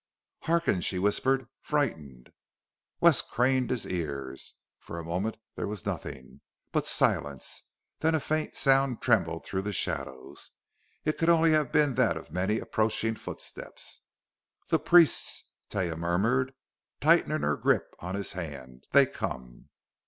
"Hearken!" she whispered, frightened. Wes craned his ears. For a moment there was nothing but silence. Then a faint sound trembled through the shadows. It could only have been that of many approaching footsteps. "The priests!" Taia murmured, tightening her grip on his hand. "They come!"